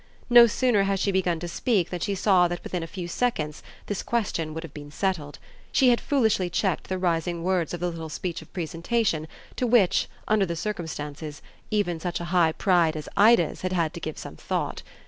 No sooner had she begun to speak than she saw that within a few seconds this question would have been settled: she had foolishly checked the rising words of the little speech of presentation to which, under the circumstances, even such a high pride as Ida's had had to give some thought.